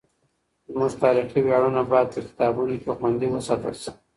زموږ تاریخي ویاړونه باید په کتابونو کې خوندي وساتل سي.